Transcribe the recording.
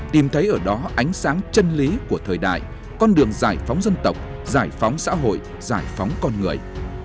tìm thấy ở đó ánh sáng chân lý của thời đại con đường giải phóng dân tộc giải phóng xã hội giải phóng con người